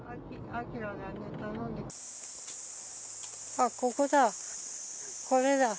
あっここだこれだ。